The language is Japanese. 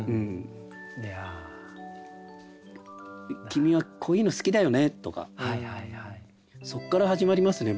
「君はこういうの好きだよね」とかそっから始まりますね